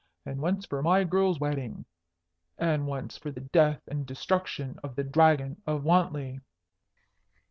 and once for my girl's wedding. And once for the death and destruction of the Dragon of Wantley."